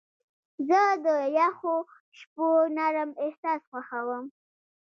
زه د یخو شپو نرم احساس خوښوم.